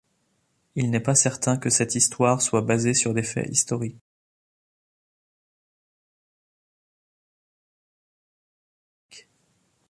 Il n’est pas certain que cette histoire soit basée sur des faits historiques.